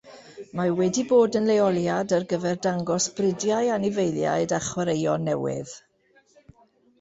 Mae wedi bod yn leoliad ar gyfer dangos bridiau anifeiliaid a chwaraeon newydd.